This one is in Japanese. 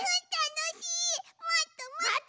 もっともっと！